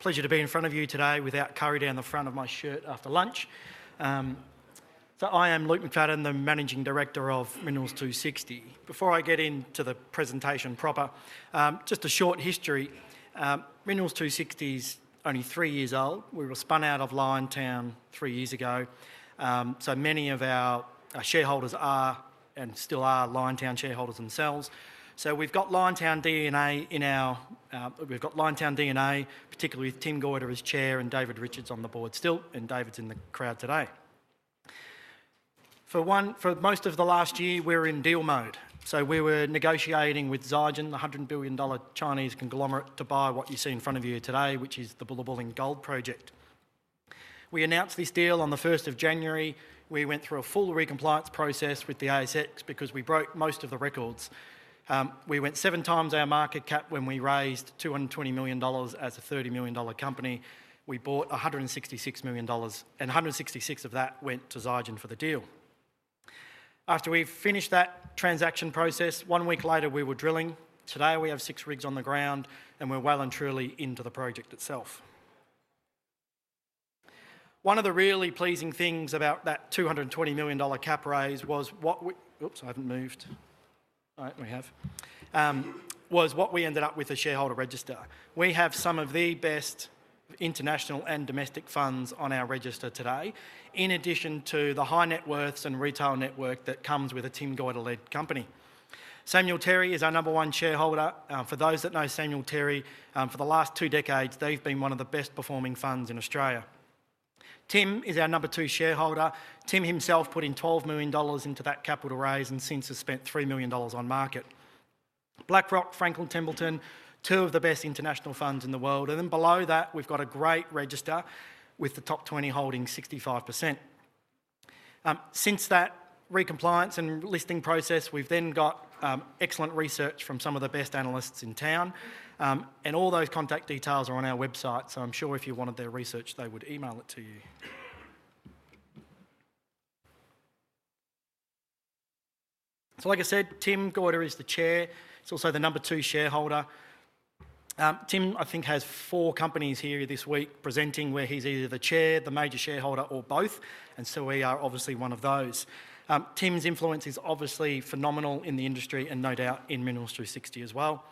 Pleasure to be in front of you today without carrying down the front of my shirt after lunch. I am Luke McFadyen, the Managing Director of Minerals 260. Before I get into the presentation proper, just a short history. Minerals 260 is only three years old. We were spun out of Liontown Resources three years ago. Many of our shareholders are, and still are, Liontown Resources shareholders themselves. We've got Liontown DNA, particularly with Tim Goyder as Chair and David Richards on the board still, and David's in the crowd today. For most of the last year, we were in deal mode. We were negotiating with Zijin Mining Group, the $100 billion Chinese conglomerate, to buy what you see in front of you today, which is the Bullerbyn Gold Project. We announced this deal on the 1st of January. We went through a full re-compliance process with the ASX because we broke most of the records. We went seven times our market cap when we raised $220 million as a $30 million company. We bought $166 million, and $166 million of that went to Zijin Mining Group for the deal. After we finished that transaction process, one week later, we were drilling. Today we have six rigs on the ground, and we're well and truly into the project itself. One of the really pleasing things about that $220 million capital raise was what we ended up with on our shareholder register. We have some of the best international and domestic funds on our register today, in addition to the high net worth and retail network that comes with a Tim Goyder-led company. Samuel Terry Asset Management is our number one shareholder. For those that know Samuel Terry Asset Management, for the last two decades, they've been one of the best performing funds in Australia. Tim is our number two shareholder. Tim himself put in $12 million into that capital raise and since has spent $3 million on market. BlackRock, Franklin Templeton, two of the best international funds in the world. Below that, we've got a great register with the top 20 holding 65%. Since that re-compliance and listing process, we've then got excellent research from some of the best analysts in town. All those contact details are on our website. I'm sure if you wanted their research, they would email it to you. Tim Goyder is the Chair. He's also the number two shareholder. Tim, I think, has four companies here this week presenting where he's either the Chair, the major shareholder, or both. We are obviously one of those. Tim's influence is obviously phenomenal in the industry and no doubt in Minerals 260 as well.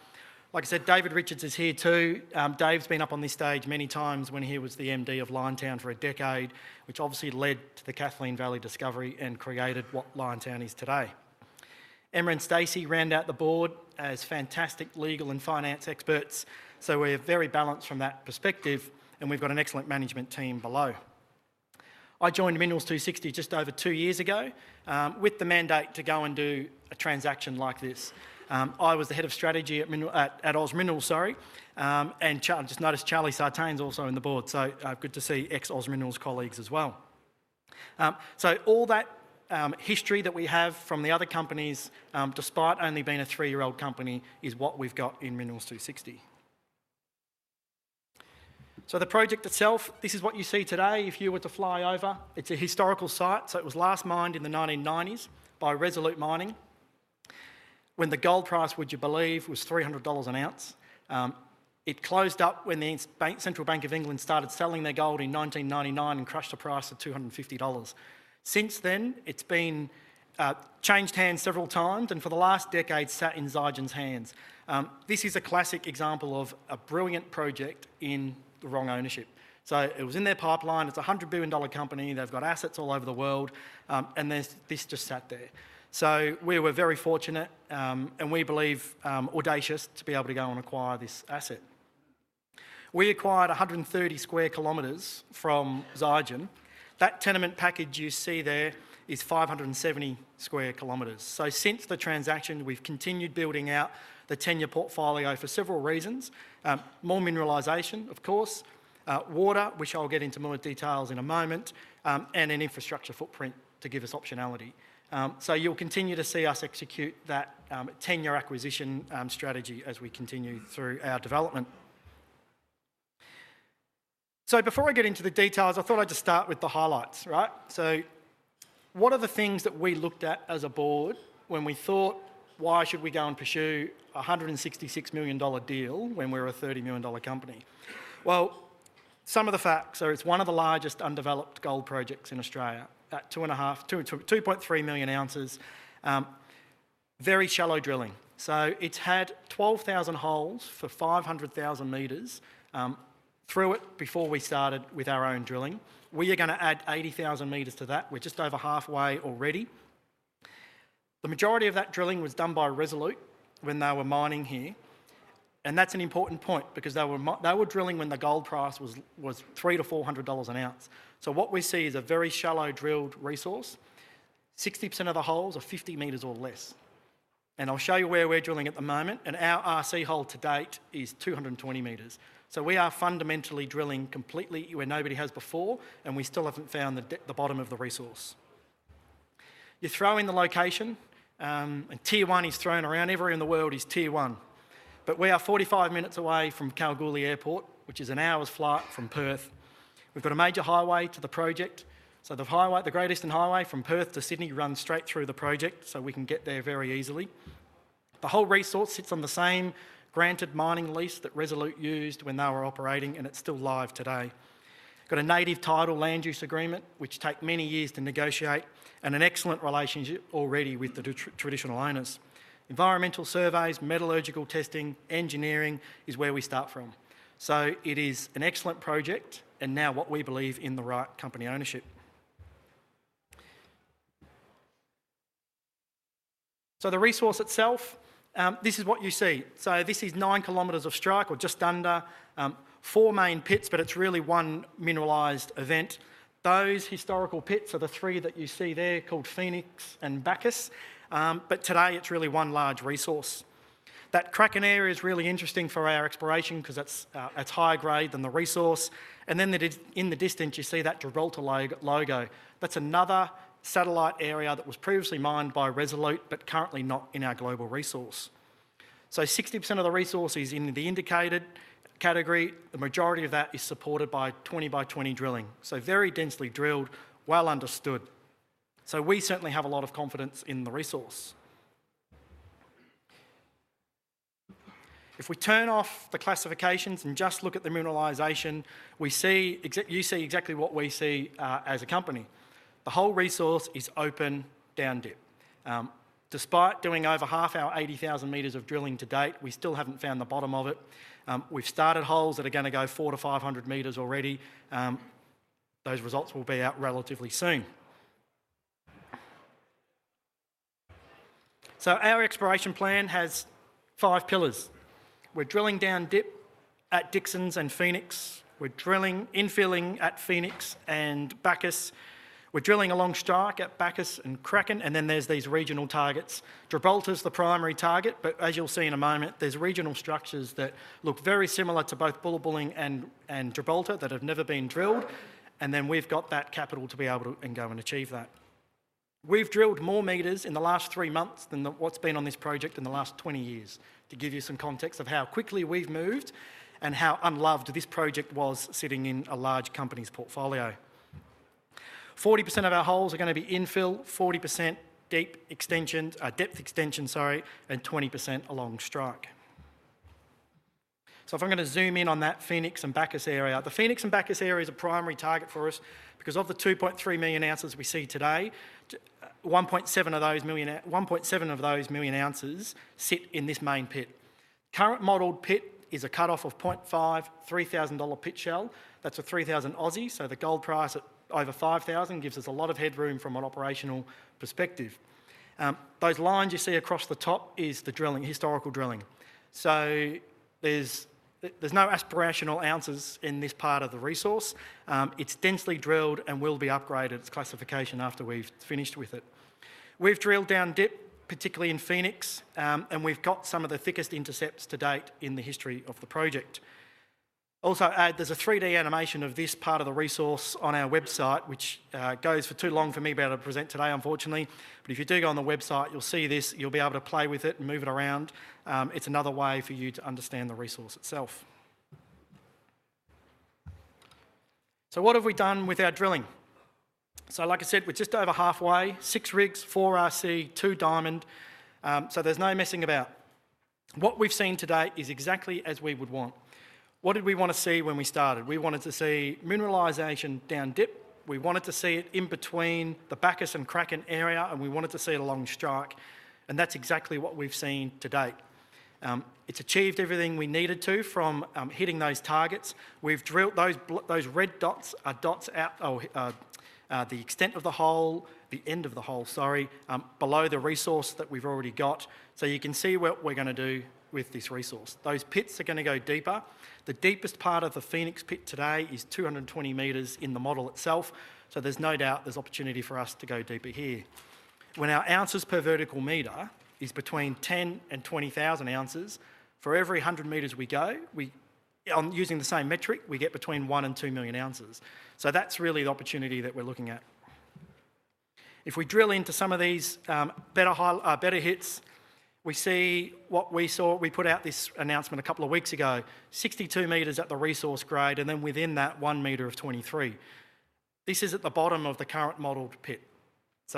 Like I said, David Richards is here too. Dave's been up on this stage many times when he was the MD of Liontown for a decade, which obviously led to the Kathleen Valley discovery and created what Liontown is today. Emma and Stacey round out the board as fantastic legal and finance experts. We are very balanced from that perspective, and we've got an excellent management team below. I joined Minerals 260 just over two years ago, with the mandate to go and do a transaction like this. I was the Head of Strategy at OZ Minerals, sorry. I just noticed Charlie Sartain is also on the board. Good to see ex-OZ Minerals colleagues as well. All that history that we have from the other companies, despite only being a three-year-old company, is what we've got in Minerals 260. The project itself, this is what you see today. If you were to fly over, it's a historical site. It was last mined in the 1990s by Resolute Mining when the gold price, would you believe, was $300 an ounce. It closed up when the Central Bank of England started selling their gold in 1999 and crushed the price to $250. Since then, it's changed hands several times and for the last decade sat in Zijin's hands. This is a classic example of a brilliant project in the wrong ownership. It was in their pipeline. It's a $100 billion company. They've got assets all over the world, and this just sat there. We were very fortunate, and we believe, audacious to be able to go and acquire this asset. We acquired 130 square kilometers from Zijin. That tenement package you see there is 570 square kilometers. Since the transaction, we've continued building out the tenure portfolio for several reasons: more mineralization, of course, water, which I'll get into more details in a moment, and an infrastructure footprint to give us optionality. You'll continue to see us execute that tenure acquisition strategy as we continue through our development. Before I get into the details, I thought I'd just start with the highlights, right? What are the things that we looked at as a board when we thought, why should we go and pursue a $166 million deal when we're a $30 million company? Some of the facts: it's one of the largest undeveloped gold projects in Australia at 2.3 million ounces, very shallow drilling. It's had 12,000 holes for 500,000 meters through it before we started with our own drilling. We are going to add 80,000 meters to that. We're just over halfway already. The majority of that drilling was done by Resolute when they were mining here. That's an important point because they were drilling when the gold price was $300 to $400 an ounce. What we see is a very shallow drilled resource. 60% of the holes are 50 meters or less. I'll show you where we're drilling at the moment. Our RC hole to date is 220 meters. We are fundamentally drilling completely where nobody has before, and we still haven't found the bottom of the resource. You throw in the location, and Tier 1 is thrown around everywhere in the world as Tier 1. We are 45 minutes away from Kalgoorlie Airport, which is an hour's flight from Perth. We've got a major highway to the project. The highway, the Great Eastern Highway from Perth to Sydney, runs straight through the project, so we can get there very easily. The whole resource sits on the same granted mining lease that Resolute used when they were operating, and it's still live today. We've got a native title land use agreement, which takes many years to negotiate, and an excellent relationship already with the traditional owners. Environmental surveys, metallurgical testing, engineering is where we start from. It is an excellent project, and now what we believe in the right company ownership. The resource itself, this is what you see. This is nine kilometers of strike or just under, four main pits, but it's really one mineralized event. Those historical pits are the three that you see there called Phoenix and Bacchus. Today, it's really one large resource. That Kraken area is really interesting for our exploration because that's higher grade than the resource. In the distance, you see that Dervoltologo. That's another satellite area that was previously mined by Resolute, but currently not in our global resource. 60% of the resource is in the indicated category. The majority of that is supported by 20 by 20 drilling. Very densely drilled, well understood. We certainly have a lot of confidence in the resource. If we turn off the classifications and just look at the mineralization, you see exactly what we see as a company. The whole resource is open down dip. Despite doing over half our 80,000 meters of drilling to date, we still haven't found the bottom of it. We've started holes that are going to go 400 to 500 meters already. Those results will be out relatively soon. Our exploration plan has five pillars. We're drilling down dip at Dixon's and Phoenix. We're drilling infilling at Phoenix and Bacchus. We're drilling along strike at Bacchus and Kraken. There are these regional targets. Dervolt is the primary target, but as you'll see in a moment, there are regional structures that look very similar to both Bullerbyn and Dervolt that have never been drilled. We've got that capital to be able to go and achieve that. We've drilled more meters in the last three months than what's been on this project in the last 20 years to give you some context of how quickly we've moved and how unloved this project was sitting in a large company's portfolio. 40% of our holes are going to be infill, 40% depth extensions, and 20% along strike. If I'm going to zoom in on that Phoenix and Bacchus area, the Phoenix and Bacchus area is a primary target for us because of the 2.3 million ounces we see today, 1.7 of those million ounces sit in this main pit. Current modeled pit is a cut-off of 0.5, $3,000 pit shell. That's a $3,000 Aussie. The gold price at over $5,000 gives us a lot of headroom from an operational perspective. Those lines you see across the top are the drilling, historical drilling. There are no aspirational ounces in this part of the resource. It's densely drilled and will be upgraded its classification after we've finished with it. We've drilled down dip, particularly in Phoenix, and we've got some of the thickest intercepts to date in the history of the project. Also, there's a 3D animation of this part of the resource on our website, which goes for too long for me to be able to present today, unfortunately. If you do go on the website, you'll see this. You'll be able to play with it and move it around. It's another way for you to understand the resource itself. What have we done with our drilling? Like I said, we're just over halfway, six rigs, four RC, two diamond. There's no messing about. What we've seen today is exactly as we would want. What did we want to see when we started? We wanted to see mineralization down dip. We wanted to see it in between the Bacchus and Kraken area, and we wanted to see it along strike. That's exactly what we've seen to date. It's achieved everything we needed to from hitting those targets. We've drilled those red dots out to the extent of the hole, the end of the hole, sorry, below the resource that we've already got. You can see what we're going to do with this resource. Those pits are going to go deeper. The deepest part of the Phoenix pit today is 220 meters in the model itself. There's no doubt there's opportunity for us to go deeper here. When our ounces per vertical meter is between 10,000 and 20,000 ounces, for every 100 meters we go, using the same metric, we get between one and two million ounces. That's really the opportunity that we're looking at. If we drill into some of these better hits, we see what we saw. We put out this announcement a couple of weeks ago, 62 meters at the resource grade, and then within that, one meter of 23. This is at the bottom of the current modeled pit.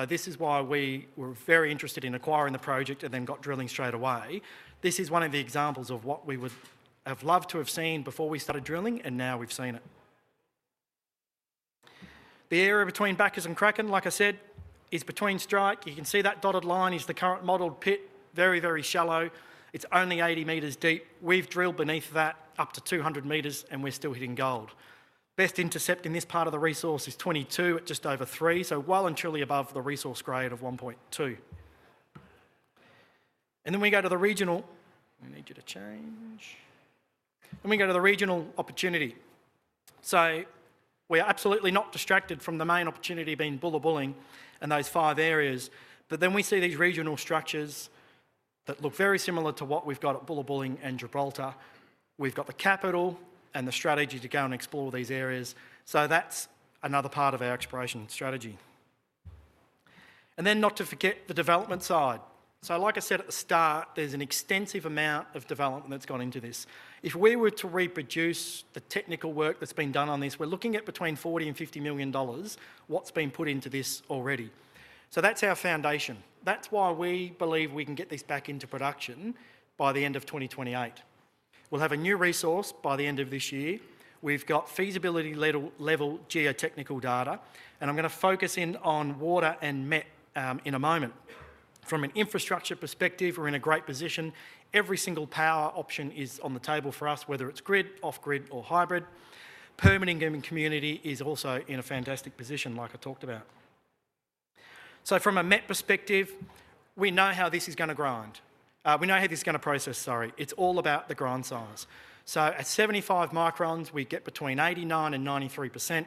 This is why we were very interested in acquiring the project and then got drilling straight away. This is one of the examples of what we would have loved to have seen before we started drilling, and now we've seen it. The area between Bacchus and Kraken, like I said, is between strike. You can see that dotted line is the current modeled pit, very, very shallow. It's only 80 meters deep. We've drilled beneath that up to 200 meters, and we're still hitting gold. Best intercept in this part of the resource is 22 at just over three, so well and truly above the resource grade of 1.2. I need you to change. We go to the regional opportunity. We are absolutely not distracted from the main opportunity being Bullerbyn in those five areas. We see these regional structures that look very similar to what we've got at Bullerbyn and Dervolta. We've got the capital and the strategy to go and explore these areas. That's another part of our exploration strategy. Not to forget the development side. Like I said at the start, there's an extensive amount of development that's gone into this. If we were to reproduce the technical work that's been done on this, we're looking at between $40 million and $50 million that's been put into this already. That's our foundation. That's why we believe we can get this back into production by the end of 2028. We'll have a new resource by the end of this year. We've got feasibility-level geotechnical data. I'm going to focus in on water and MET in a moment. From an infrastructure perspective, we're in a great position. Every single power option is on the table for us, whether it's grid, off-grid, or hybrid. Permitting in the community is also in a fantastic position, like I talked about. From a MET perspective, we know how this is going to grind. We know how this is going to process, sorry. It's all about the grind size. At 75 microns, we get between 89% and 93%.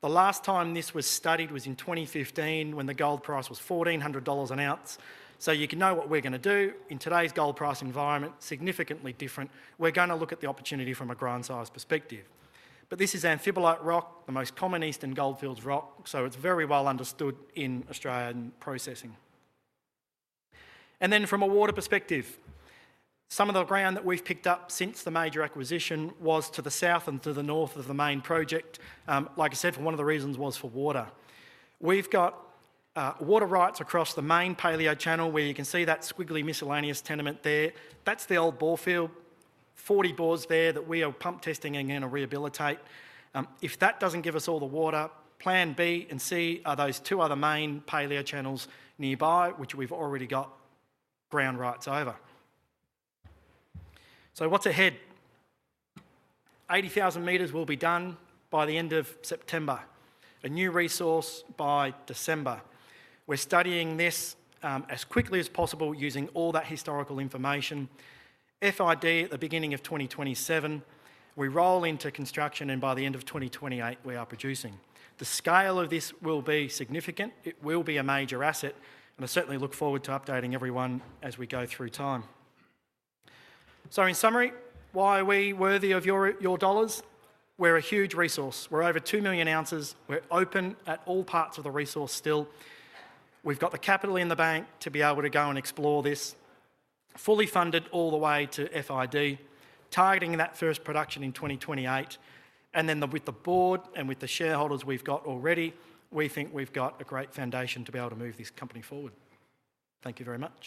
The last time this was studied was in 2015 when the gold price was $1,400 an ounce. You can know what we're going to do in today's gold price environment, significantly different. We're going to look at the opportunity from a grind size perspective. This is amphibolite rock, the most common Eastern Goldfields rock. It's very well understood in Australian processing. From a water perspective, some of the ground that we've picked up since the major acquisition was to the south and to the north of the main project. One of the reasons was for water. We've got water rights across the main paleo channel where you can see that squiggly miscellaneous tenement there. That's the old bore field. Forty bores there that we are pump testing and going to rehabilitate. If that doesn't give us all the water, plan B and C are those two other main paleo channels nearby, which we've already got ground rights over. What's ahead? 80,000 meters will be done by the end of September. A new resource by December. We're studying this as quickly as possible using all that historical information. FID at the beginning of 2027. We roll into construction, and by the end of 2028, we are producing. The scale of this will be significant. It will be a major asset. I certainly look forward to updating everyone as we go through time. In summary, why are we worthy of your dollars? We're a huge resource. We're over 2 million ounces. We're open at all parts of the resource still. We've got the capital in the bank to be able to go and explore this. Fully funded all the way to FID, targeting that first production in 2028. With the board and with the shareholders we've got already, we think we've got a great foundation to be able to move this company forward. Thank you very much.